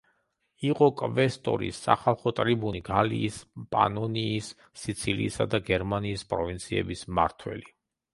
იყო კვესტორი, სახალხო ტრიბუნი, გალიის, პანონიის, სიცილიისა და გერმანიის პროვინციების მმართველი.